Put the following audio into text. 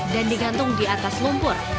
digantung di atas lumpur